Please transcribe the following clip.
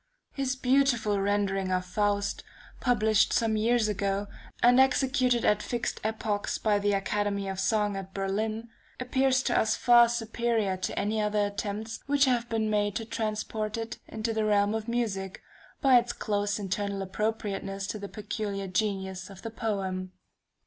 His beautiful rendering of Faust, published some years ago, and executed at fixed epochs by the Academy of Song at Berlin, appears to us far superior to any other attempts which have been made to transport it into the realm of music, by its close internal appropriateness to the peculiar genius of the poem.